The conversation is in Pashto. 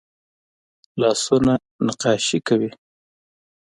لاسونه نقاشي کوي